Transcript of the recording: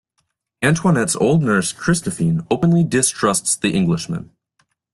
Antoinette's old nurse Christophine openly distrusts the Englishman.